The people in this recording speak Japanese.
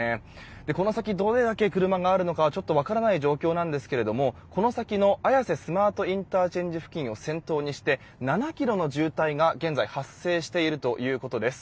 この先、どれだけ車があるのか分からない状況なんですがこの先の綾瀬スマートＩＣ付近を先頭にして７ｋｍの渋滞が現在発生しているということです。